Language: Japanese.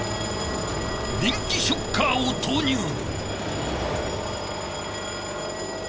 電気ショッカーを投入。